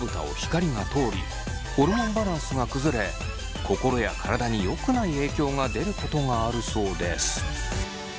ホルモンバランスが崩れ心や体に良くない影響が出ることがあるそうです。